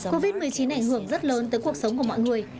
covid một mươi chín ảnh hưởng rất lớn tới cuộc sống của mọi người